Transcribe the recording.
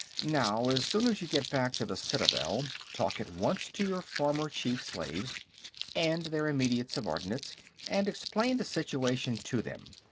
Now, as soon as you get back to the Citadel, talk at once to your former chief slaves, and their immediate subordinates, and explain the situation to them.